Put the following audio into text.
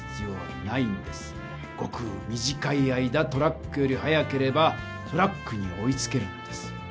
ごく短い間トラックより速ければトラックに追いつけるんです。